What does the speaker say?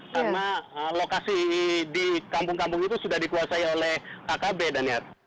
karena lokasi di kampung kampung itu sudah dikuasai oleh kkb daniar